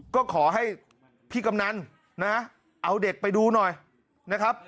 ก็ขอให้พี่กำนันนะเอาเด็กไปดูหน่อยนะครับ